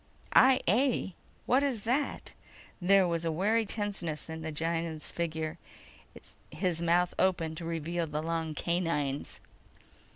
"I A? What is that?" There was a wary tenseness in the Gienahn's figure. His mouth opened to reveal the long canines.